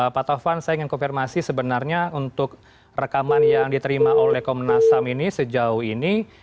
pak taufan saya ingin konfirmasi sebenarnya untuk rekaman yang diterima oleh komnas ham ini sejauh ini